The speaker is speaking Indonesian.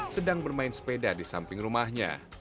sedang bermain sepeda di samping rumahnya